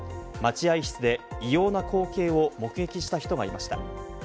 待合室で異様な光景を目撃した人がいました。